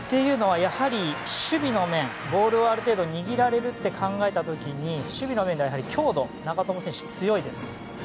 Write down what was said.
というのは、やはり守備のボールをある程度握られると考えた時に守備の面で強度が長友選手は強いです。